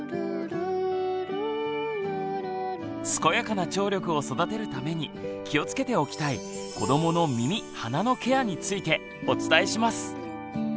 健やかな聴力を育てるために気をつけておきたい子どもの耳・鼻のケアについてお伝えします。